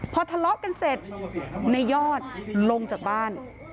พอทะเลาะกันเสร็จในยอดลงจากบ้าน